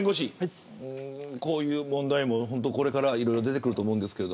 こういう問題もこれからいろいろ出てくると思いますが。